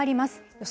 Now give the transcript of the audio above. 予想